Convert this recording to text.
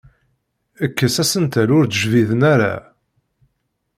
Kkes asentel ur d-jbiden ara.